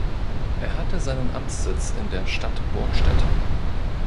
Es hatte seinen Amtssitz in der Stadt Burgstädt.